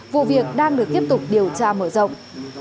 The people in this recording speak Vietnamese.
vụ việc đang được tiếp tục điều tra mở rộng